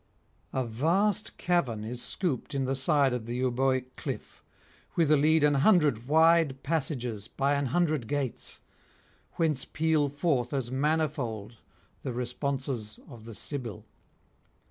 A vast cavern is scooped in the side of the Euboïc cliff, whither lead an hundred wide passages by an hundred gates, whence peal forth as manifold the responses of the Sibyl.